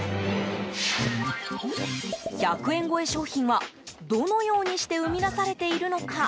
１００円超え商品はどのようにして生み出されているのか。